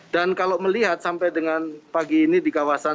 dan kalau melihat sampai dengan pagi ini di kawasan